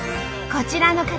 こちらの方